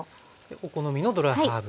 お好みのドライハーブ。